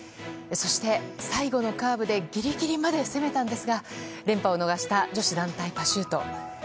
そして最後のカーブでギリギリまで攻めたんですが連覇を逃した女子団体パシュート。